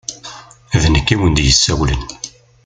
D nekk i wen-d-yessawlen.